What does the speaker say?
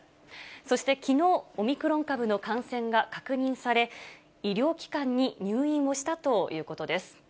そしてきのう、オミクロン株の感染が確認され、医療機関に入院をしたということです。